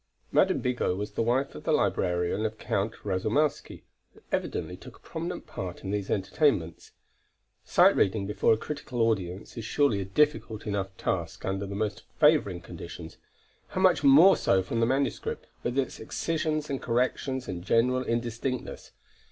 Madame Bigot was the wife of the librarian of Count Rasoumowsky and evidently took a prominent part in these entertainments. Sight reading before a critical audience is surely a difficult enough task under the most favoring conditions; how much more so from the manuscript, with its excisions and corrections and general indistinctness!